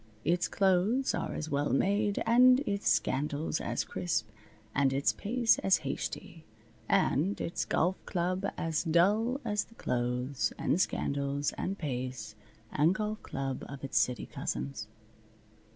Its clothes are as well made, and its scandals as crisp, and its pace as hasty, and its golf club as dull as the clothes, and scandals, and pace, and golf club of its city cousins.